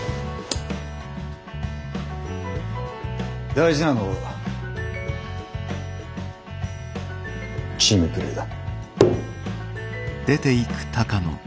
大事なのはチームプレーだ。